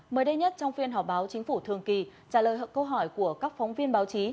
mới đây nhất trong phiên họp báo chính phủ thường kỳ trả lời câu hỏi của các phóng viên báo chí